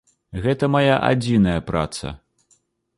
Гэта мая адзіная праца.